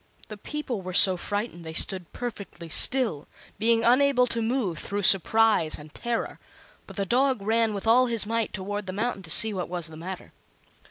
The people were so frightened they stood perfectly still, being unable to move through surprise and terror; but the dog ran with all his might toward the mountain to see what was the matter.